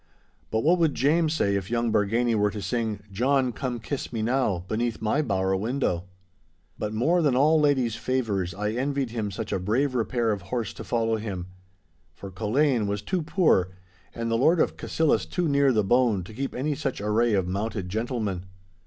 But what would James say if young Bargany were to sing "John, come kiss me now," beneath my bower window?' But more than all ladies' favours I envied him such a brave repair of horse to follow him. For Culzean was too poor, and the Lord of Cassillis too near the bone to keep any such array of mounted gentlemen.